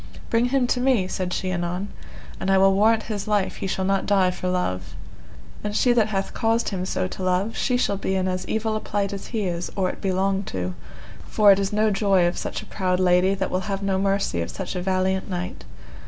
Bring me to him, said she anon, and I will warrant his life he shall not die for love, and she that hath caused him so to love, she shall be in as evil plight as he is or it be long to, for it is no joy of such a proud lady that will have no mercy of such a valiant knight.